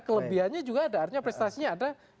kelebihannya juga ada artinya prestasinya ada